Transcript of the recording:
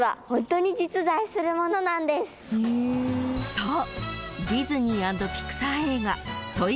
［そう］